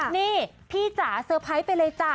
นี่พี่จ๋าเซอร์ไพรส์ไปเลยจ้ะ